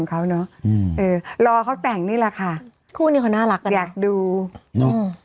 เขาเนอะอืมเออรอเขาแต่งนี่แหละค่ะคู่นี้เขาน่ารักกันอยากดูเนอะ